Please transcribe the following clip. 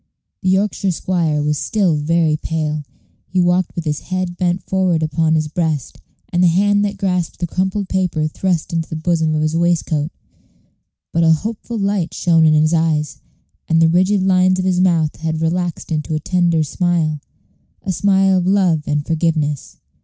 The Yorkshire squire was still very pale. He walked with his head bent forward upon his breast, and the hand that grasped the crumpled paper thrust into the bosom of his waistcoat; but a hopeful light shone in his eyes, and the rigid lines of his mouth had relaxed into a tender smile a smile of love and forgiveness.